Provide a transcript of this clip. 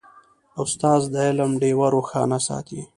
استاد د علم ډیوه روښانه ساتي.